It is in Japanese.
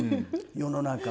世の中。